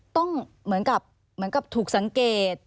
ต้องเหมือนกับถูกสังเกต